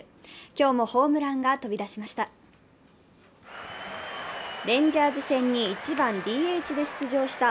今日もホームランが飛び出しました。